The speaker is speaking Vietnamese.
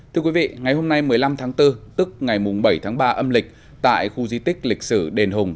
thưa quý vị ngày hôm nay một mươi năm tháng bốn tức ngày bảy tháng ba âm lịch tại khu di tích lịch sử đền hùng